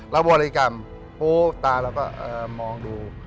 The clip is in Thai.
บริกรรมปูตาเราก็มองดู